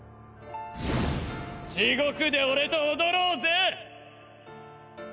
地獄で俺と踊ろうぜ！